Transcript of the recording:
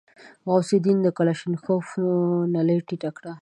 غوث الدين د کلاشينکوف نلۍ ټيټه کړه.